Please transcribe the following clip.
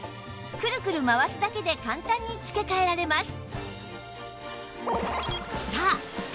クルクル回すだけで簡単につけ替えられます